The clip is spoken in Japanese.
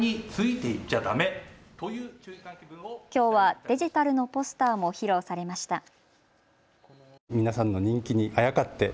きょうはデジタルのポスターも披露されました。